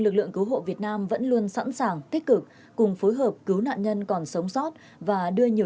lực lượng cứu hộ việt nam vẫn luôn sẵn sàng tích cực cùng phối hợp cứu nạn nhân còn sống sót và đưa nhiều